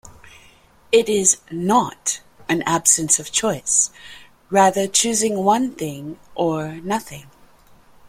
It is "not" an absence of choice, rather choosing one thing or nothing.